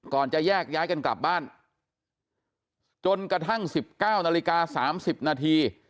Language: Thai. จะแยกย้ายกันกลับบ้านจนกระทั่ง๑๙นาฬิกา๓๐นาที